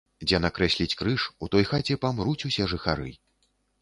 Дзе накрэсліць крыж, у той хаце памруць усе жыхары.